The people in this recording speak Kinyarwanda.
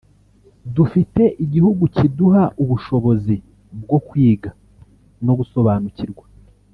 Dufite igihugu kiduha ubushobozi bwo kwiga no gusobanukirwa